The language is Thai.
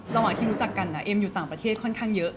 ระหว่างที่รู้จักกันนะเอ็มอยู่ต่างประเทศค่อนข้างเยอะ